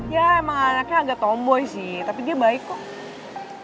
ya emang anaknya agak tomboy sih tapi dia baik kok